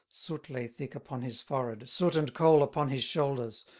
Soot lay thick upon his forehead, Soot and coal upon his shoulders.